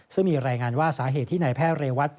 ซึ่งมีรายงานว่าสาเหตุที่นายแพทย์เรวัต